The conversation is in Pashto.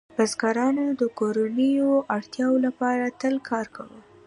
بزګرانو د کورنیو اړتیاوو لپاره تل کار کاوه.